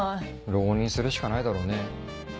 浪人するしかないだろうね。